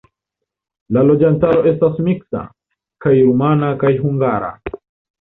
La loĝantaro estas miksa: kaj rumana kaj hungara.